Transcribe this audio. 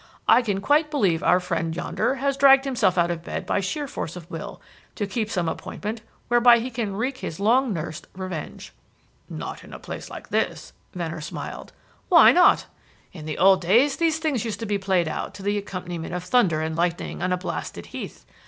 I can quite believe our friend yonder has dragged himself out of bed by sheer force of will to keep some appointment whereby he can wreak his long nursed revenge." "Not in a place like this," Venner smiled. "Why not? In the old days these things used to be played out to the accompaniment of thunder and lightning on a blasted heath.